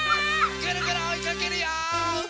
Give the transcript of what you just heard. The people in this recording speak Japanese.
ぐるぐるおいかけるよ！